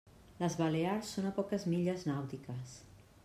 Les Balears són a poques milles nàutiques.